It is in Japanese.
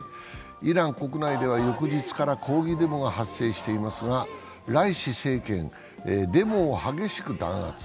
イラン国内では翌日から抗議デモが発生していますが、ライシ政権、デモを激しく弾圧。